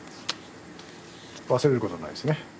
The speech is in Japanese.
忘れることないですね？